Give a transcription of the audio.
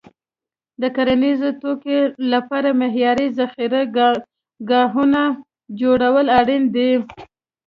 د کرنیزو توکو لپاره معیاري ذخیره ګاهونه جوړول اړین دي.